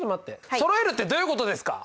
そろえるってどういうことですか？